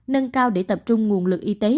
nâng cao để tập trung nguồn lực y tế